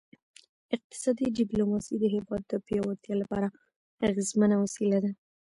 اقتصادي ډیپلوماسي د هیواد د پیاوړتیا لپاره اغیزمنه وسیله ده